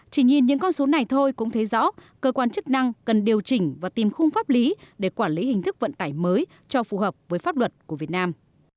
chỉ nhìn những con số này thôi cũng thấy rõ cơ quan chức năng cần điều chỉnh và tìm khung pháp lý để quản lý hình thức vận tải mới cho phù hợp với pháp luật của việt nam